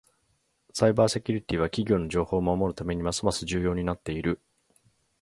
サイバーセキュリティは企業の情報を守るためにますます重要になっている。